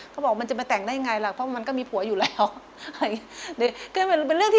เขาบอกว่ามันจะไปแต่งได้ยังไงล่ะเพราะมันก็มีผัวอยู่แล้ว